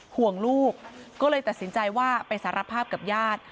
ห่วงลูกก็เลยตัดสินใจว่าไปสารภาพกับญาติ